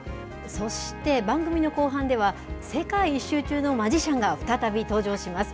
そして番組の後半では、世界一周中のマジシャンが再び登場します。